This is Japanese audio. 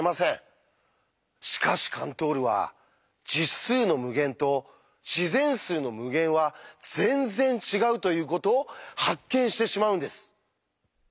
しかしカントールは「実数の無限」と「自然数の無限」は全然違うということを発見してしまうんです！